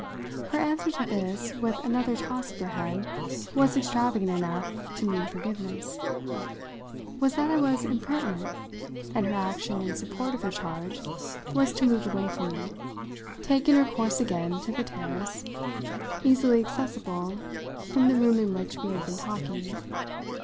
Her answer to this, with another toss of her head, was extravagant enough to mean forgiveness was that I was impertinent, and her action in support of her charge was to move away from me, taking her course again to the terrace, easily accessible from the room in which we had been talking.